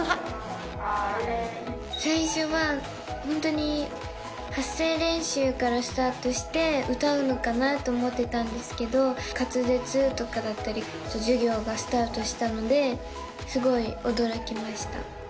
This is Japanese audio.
最初は本当に発声練習からスタートして、歌うのかなと思ってたんですけど、滑舌とかだったりとか、授業がスタートしたので、すごい驚きました。